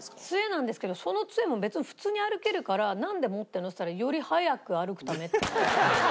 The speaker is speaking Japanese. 杖なんですけどその杖も別に普通に歩けるから「なんで持ってるの？」っつったら「より速く歩くため」って。